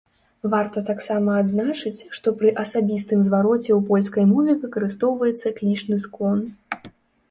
Варта таксама адзначыць, што пры асабістым звароце ў польскай мове выкарыстоўваецца клічны склон.